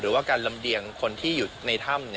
หรือว่าการลำเลียงคนที่อยู่ในถ้ำ